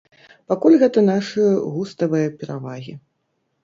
Пакуль гэта нашы густавыя перавагі.